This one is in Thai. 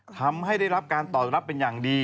ทำให้ได้รับการตอบรับเป็นอย่างดี